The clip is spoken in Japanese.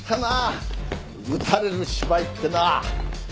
撃たれる芝居ってのは。